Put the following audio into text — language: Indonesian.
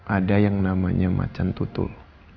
ada yang namanya macan tutul